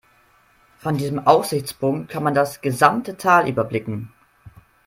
Von diesem Aussichtspunkt kann man das gesamte Tal überblicken.